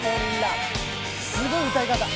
すごい歌い方。